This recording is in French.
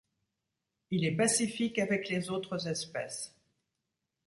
Il est pacifique avec les autres espèces.